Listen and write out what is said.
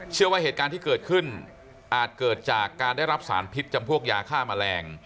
เชื่อว่าเหตุการณ์ที่เกิดขึ้นอาจเกิดจากการได้รับสารพิษจำพวกยาฆ่าแมลง